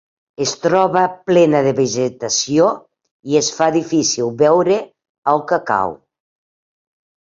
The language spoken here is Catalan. Es troba plena de vegetació i es fa difícil veure el cacau.